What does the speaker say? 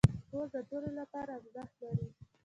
کور د ټولو لپاره ارزښت لري.